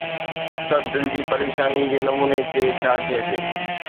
اسد! دل جي پريشانيءَ جي نموني کي ڇا چئجي؟